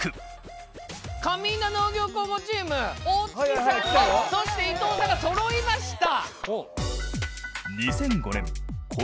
上伊那農業高校チーム大槻さんとそして伊藤さんがそろいました。